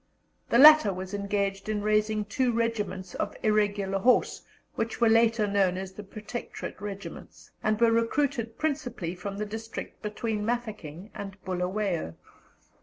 The latter was engaged in raising two regiments of irregular horse, which were later known as the Protectorate Regiments, and were recruited principally from the district between Mafeking and Bulawayo.